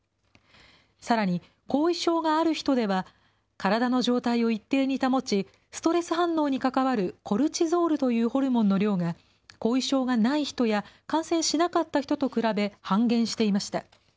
さらに、後遺症がある人では、体の状態を一定に保ち、ストレス反応に関わるコルチゾールというホルモンの量が、後遺症がない人や感染しなかった人と比べ半減していました。